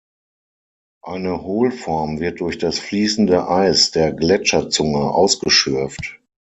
Eine Hohlform wird durch das fließende Eis der Gletscherzunge ausgeschürft.